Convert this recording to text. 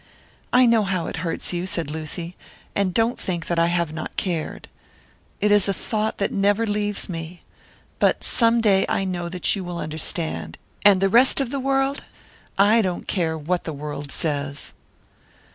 "I know how it hurts you," said Lucy, "and don't think that I have not cared. It is a thought that never leaves me! But some day I know that you will understand; and the rest of the world I don't care what the world says."